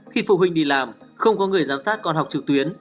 khi phụ huynh đi làm không có người giám sát con học trực tuyến